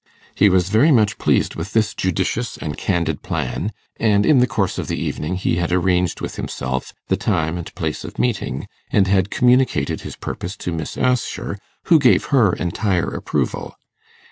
He was very much pleased with this judicious and candid plan, and in the course of the evening he had arranged with himself the time and place of meeting, and had communicated his purpose to Miss Assher, who gave her entire approval.